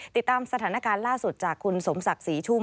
ติดตามสถานการณ์ล่าสุดจากคุณสมศักดิ์ศรีชุ่ม